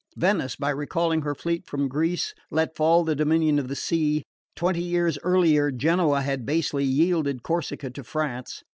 Venice, by recalling her fleet from Greece, let fall the dominion of the sea. Twenty years earlier Genoa had basely yielded Corsica to France.